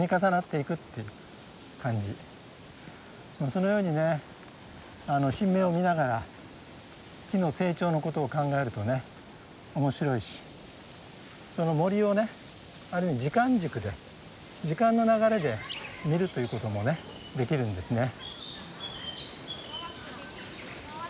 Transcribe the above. そのようにね新芽を見ながら木の成長のことを考えるとね面白いしその森をね時間軸で時間の流れで見るということもねできるんですね。